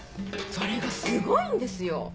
それがすごいんですよ！